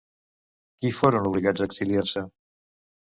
Qui foren obligats a exiliar-se?